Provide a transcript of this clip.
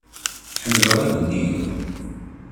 Ḥemmleɣ ad inigeɣ.